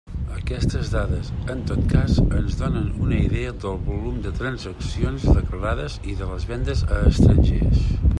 Aquestes dades, en tot cas, ens donen una idea del volum de transaccions declarades i de les vendes a estrangers.